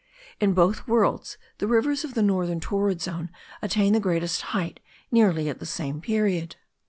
In both worlds the rivers of the northern torrid zone attain the greatest height nearly at the same period.